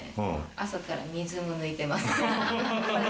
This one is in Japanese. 朝から水も抜いてます。